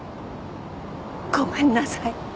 ごめんなさい